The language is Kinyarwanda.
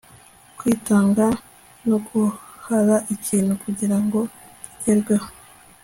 kwitanga nuguhara ikintu kugirango kigerwho